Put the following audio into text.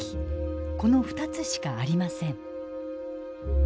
この２つしかありません。